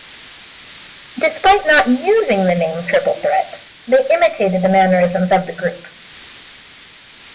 Despite not using the name Triple Threat, they imitated the mannerisms of the group.